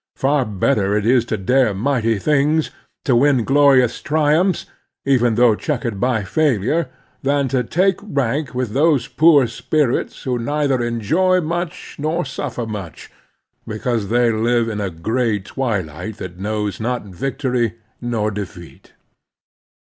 Far better it is to dare mighty things, to win glorious tri umphs, even though checkered by failure, than to take rank with those poor spirits who neither enjoy much nor suffer much, because they live in the gray twilight that knows not victory nor defeat.